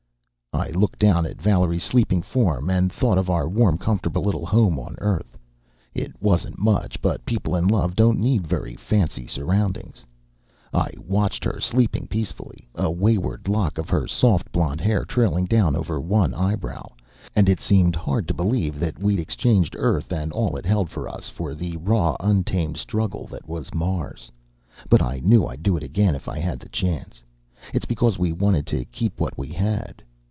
I looked down at Valerie's sleeping form, and thought of our warm, comfortable little home on Earth. It wasn't much, but people in love don't need very fancy surroundings. I watched her, sleeping peacefully, a wayward lock of her soft blonde hair trailing down over one eyebrow, and it seemed hard to believe that we'd exchanged Earth and all it held for us for the raw, untamed struggle that was Mars. But I knew I'd do it again, if I had the chance. It's because we wanted to keep what we had.